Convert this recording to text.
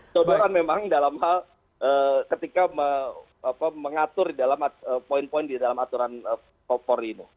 sebenarnya memang dalam hal ketika mengatur poin poin di dalam aturan pori ini